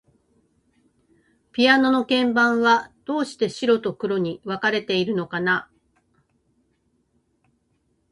ピアノの鍵盤は、どうして白と黒に分かれているのかな。